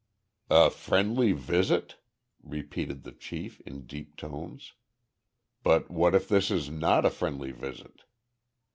"A friendly visit?" repeated the chief, in deep tones. "But what if this is not a friendly visit?"